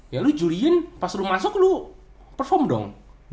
ya lu juliin pas lu masuk lu perform dong